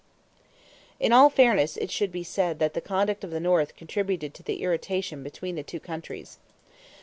SEWARD] In all fairness it should be said that the conduct of the North contributed to the irritation between the two countries.